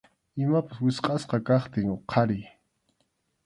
Imapas wichqʼasqa kaptin huqariy.